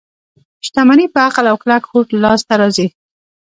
شتمني په عقل او کلک هوډ لاس ته راځي.